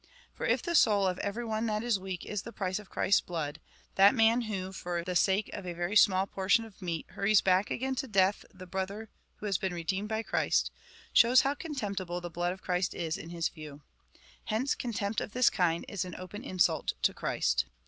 For if the soul of every one that is weak is the price of Christ's blood, that man who, for the sake of a very small portion of meat, hurries back again to death the brother who has been re deemed by Christ, shows how contemptible the blood of Christ is in his view. Hence contempt of this kind is an open insult to Christ.